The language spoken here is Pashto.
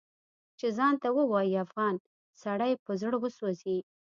چې ځان ته ووايي افغان سړی په زړه وسوځي